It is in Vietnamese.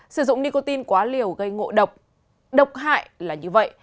sử dụng nicotin quá liều gây ngộ độc độc hại là như vậy